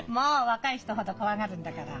若い人ほど怖がるんだから。